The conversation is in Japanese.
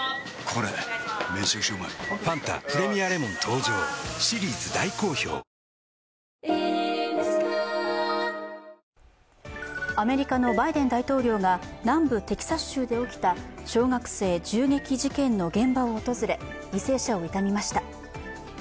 お申し込みはアメリカのバイデン大統領が南部テキサス州で起きた小学生銃撃事件の現場を訪れ犠牲者を悼みました。